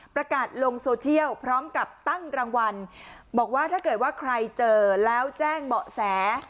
ประกาศลงโซเชียลพร้อมกับตั้งรางวัลบอกว่าถ้าเกิดว่าใครเจอแล้วแจ้งเบาะแส